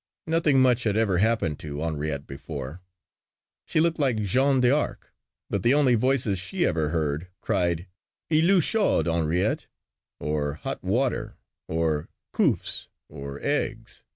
Nothing much had ever happened to Henriette before. She looked like Jeanne d'Arc, but the only voices she ever heard cried, "L'eau chaude, Henriette," or "Hot water" or "OEufs" or "Eggs."